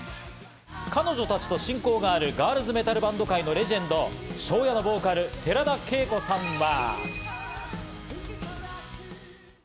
彼女たちと親交があるガールズメタルバンド界のレジェンド、ＳＨＯＷ‐ＹＡのボーカル・寺田恵子さんは。